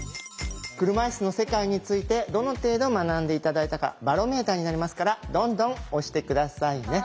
車いすの世界についてどの程度学んで頂いたかバロメーターになりますからどんどん押して下さいね。